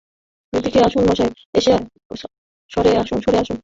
এদিকে আসুন মশায়, সরে আসুন।